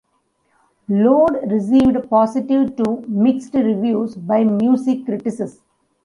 "Load" received positive to mixed reviews by music critics.